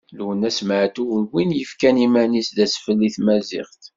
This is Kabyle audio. Lwennas Meɛtub d win yefkan iman-is d asfel i tmaziɣt.